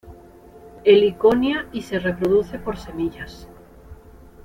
Heliconia y se reproduce por semillas.